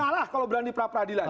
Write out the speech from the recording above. kan kalah kalau berani pra peradilan